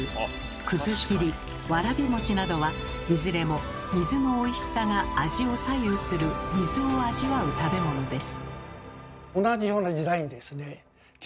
「くずきり」「わらびもち」などはいずれも水のおいしさが味を左右する水を味わう食べ物です。